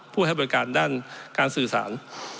ให้บริการด้านการสื่อสาร